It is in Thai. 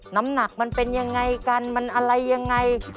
น้ำหนักมันเป็นยังไงกันมันอะไรยังไง